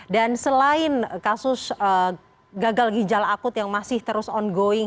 dan selain kasus gagal ginjal akut yang masih terus ongoing